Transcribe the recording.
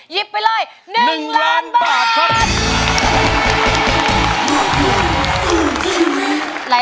ยิบไปเลย๑ล้านบาท